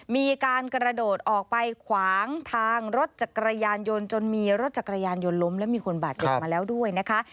มีการกระโดดออกไปขวางทางรถจักรยานยนต์จนมีรถจักรยานยนต์ล้มและมีคนบาดเจ็บมาแล้วด้วยนะคะ